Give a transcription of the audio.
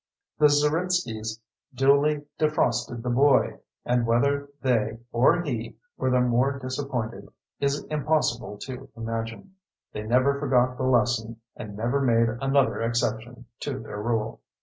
The Zeritskys duly defrosted the boy, and whether they or he were the more disappointed is impossible to imagine. They never forgot the lesson, and never made another exception to their rule.